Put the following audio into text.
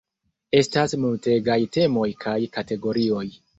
Estas multegaj temoj kaj kategorioj.